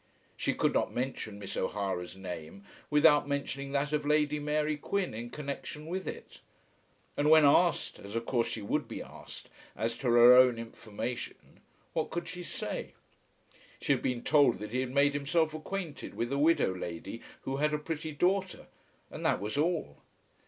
She could not mention Miss O'Hara's name without mentioning that of Lady Mary Quin in connexion with it. And when asked, as of course she would be asked, as to her own information, what could she say? She had been told that he had made himself acquainted with a widow lady who had a pretty daughter, and that was all!